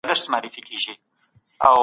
هغوی پرون د دین په اړه خبري کولې.